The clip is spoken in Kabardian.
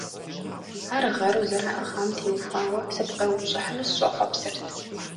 Ар гъэру зэраӀыгъам теухуауэ сыпкърыупщӀыхьыну сыщӀэхъуэпсырт.